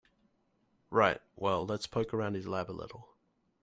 Right, well let's poke around his lab a little.